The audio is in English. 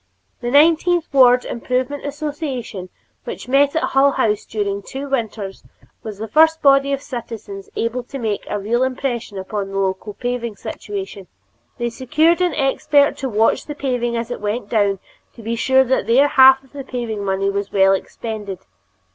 The Nineteenth Ward Improvement Association which met at Hull House during two winters, was the first body of citizens able to make a real impression upon the local paving situation. They secured an expert to watch the paving as it went down to be sure that their half of the paving money was well expended.